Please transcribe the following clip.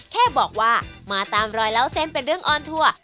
แค่บอกว่ามาตามรอยเล่าเส้นเป็นเรื่องออนทัวร์